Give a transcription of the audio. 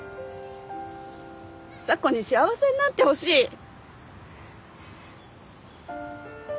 咲子に幸せになってほしい！